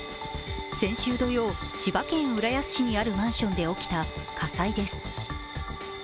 先週土曜、千葉県浦安市にあるマンションで起きた火災です。